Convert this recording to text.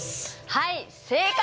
はい正解！